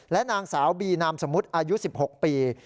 และนางสาวบีนามสมมุติอายุ๑๖ปี